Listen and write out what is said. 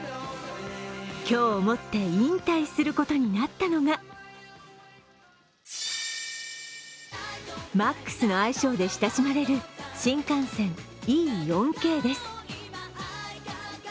今日をもって引退することになったのがＭａｘの愛称で親しまれる新幹線Ｅ４系です。